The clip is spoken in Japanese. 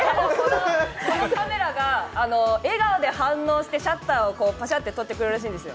このカメラが笑顔で反応してシャッターをぱしゃっと撮ってくれるらしいんですよ。